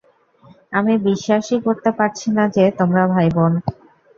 আমি বিশ্বাসই করতে পারছি না যে তোমরা ভাই-বোন।